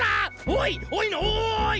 おいおいのおい！